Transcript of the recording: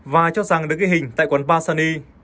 và cho rằng được gây hình tại quán bar sunny